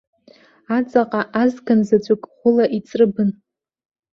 Аҵаҟа азган заҵәык ӷәыла иҵрыбын.